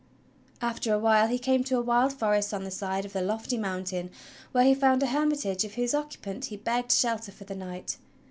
After a while he came to a wild forest on the side of a lofty mountain where he found a hermitage of whose occupant he begged shelter for the night.